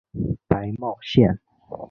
白茂线